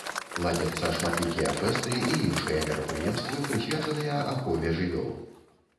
Ладзяцца шматлікія фэсты і іншыя мерапрыемствы, прысвечаныя ахове жывёл.